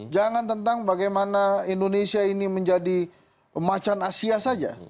jangan tentang bagaimana indonesia ini menjadi macan asia saja